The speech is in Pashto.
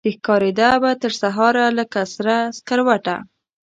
چي ښکاریده به ترسهاره لکه سره سکروټه